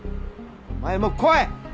お前も来い！